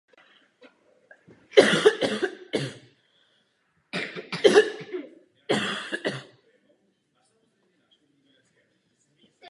Na lokalitě stojí devatenáct kostelů.